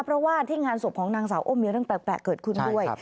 เพราะว่าที่งานศพของนางสาวอ้มมีเรื่องแปลกเกิดขึ้นด้วย